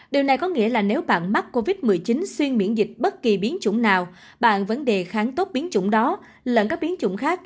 điều này có nghĩa là nếu bạn mắc covid một mươi chín xuyên miễn dịch bất kỳ biến chủng nào bạn vấn đề kháng tốt biến chủng đó lẫn các biến chủng khác